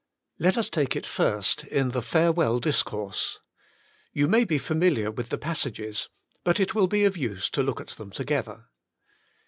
Let us take it first in the farewell discourse. You may be familiar with the passages, but it will be of use to look at them together.